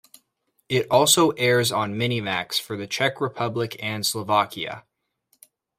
It also airs on Minimax for the Czech Republic and Slovakia.